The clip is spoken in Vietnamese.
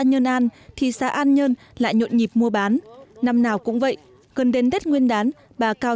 nhân an thị xã an nhơn lại nhộn nhịp mua bán năm nào cũng vậy gần đến tết nguyên đán bà cao